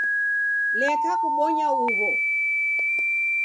Leka kubonya uw'o